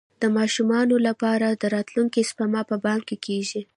د ماشومانو لپاره د راتلونکي سپما په بانک کې کیږي.